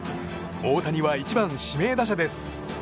大谷は１番指名打者です。